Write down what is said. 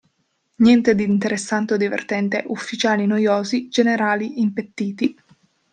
Niente di interessante o divertente, ufficiali noiosi, generali impettiti.